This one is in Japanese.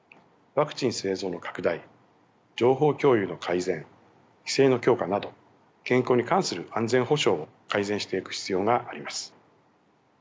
ワクチン製造の拡大情報共有の改善規制の強化など健康に関する安全保障を改善していく必要があります。